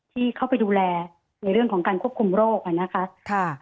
ที่เข้าไปดูแลในเรื่องของการควบคุมโรคนะคะ